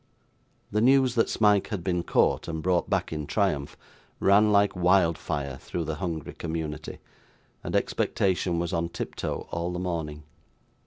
The news that Smike had been caught and brought back in triumph, ran like wild fire through the hungry community, and expectation was on tiptoe all the morning.